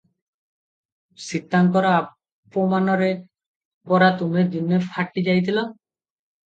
ସୀତାଙ୍କର ଅପମାନରେ ପରା ତୁମେ ଦିନେ ଫାଟି ଯାଇଥିଲ?